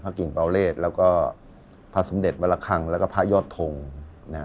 กิ่งเบาเลศแล้วก็พระสมเด็จวรคังแล้วก็พระยอดทงนะฮะ